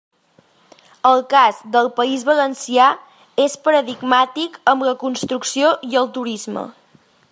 El cas del País Valencià és paradigmàtic amb la construcció i el turisme.